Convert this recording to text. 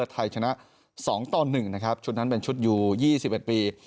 ไทยชนะ๒ต่อ๑นะครับชุดนั้นเป็นชุดอยู่๒๑ปี